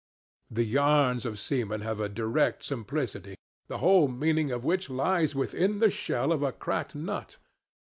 The yarns of seamen have a direct simplicity, the whole meaning of which lies within the shell of a cracked nut.